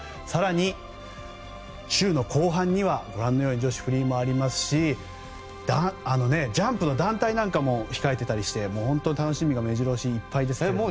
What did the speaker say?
更に週の後半にはご覧のように女子フリーもありますしジャンプの団体が控えていたりして本当に楽しみが目白押しですが。